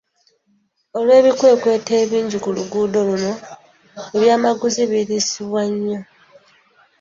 Olw'ebikwekweto ebingi ku luguudo luno ebyamaguzi birwisibwa nnyo.